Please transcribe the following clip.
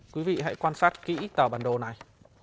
quý vị hãy quan sát kỹ tờ bản đồ này